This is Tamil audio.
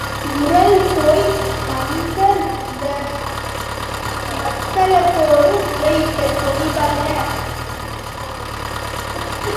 உரல் போய் மத்தளத்தோடு முறையிட்டது போல.